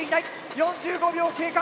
４５秒経過。